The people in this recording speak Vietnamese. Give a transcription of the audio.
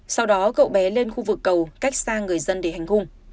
sau đó cậu bé lên khu vực cầu cách xa người dân để hành hung